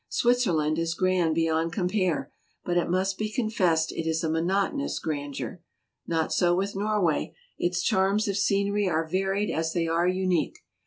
Switzerland is grand beyond compare, but it must be confessed it is a monotonous grandeur. Not so with Norway : its charms of scenery are varied as they are unique.